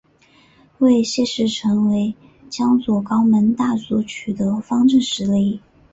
为谢氏成为江左高门大族取得方镇实力。